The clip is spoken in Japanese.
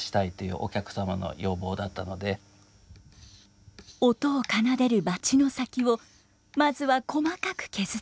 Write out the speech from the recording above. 音を奏でるバチの先をまずは細かく削っていきます。